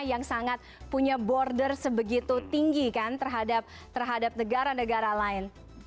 yang sangat punya border sebegitu tinggi kan terhadap negara negara lain